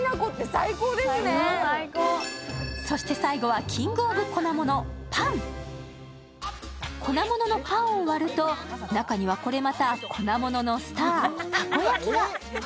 そして最後はキング・オブ・粉もの、パン！粉もののパンを割ると、中にはこれまた粉もののスター、たこ焼きが。